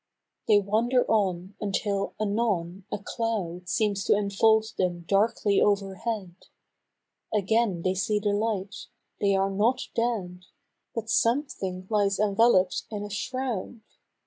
They wander on, until, anon, a cloud Seems to enfold them darkly over head ; Again they see the light — they are not dead, But something lies enveloped in a shroud